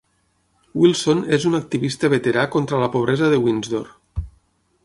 Wilson és un activista veterà contra la pobresa de Windsor.